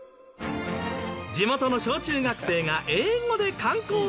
地元の小・中学生が英語で観光案内。